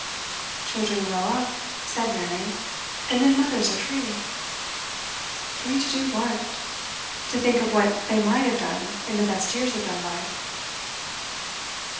'Children grow up,' said Mary, 'and then mothers are free.' 'Free to do what? To think of what they might have done in the best years of their life.